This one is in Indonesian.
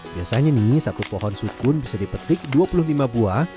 biasanya nih satu pohon sukun bisa dipetik dua puluh lima buah